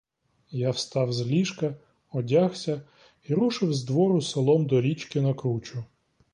Я встав з ліжка, одягся і рушив з двору селом до річки на кручу.